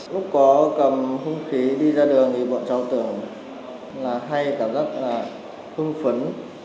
lúc có cầm hung khí đi ra đường thì bọn cháu tưởng là hay cảm giác là hưng phấn